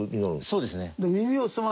そうです。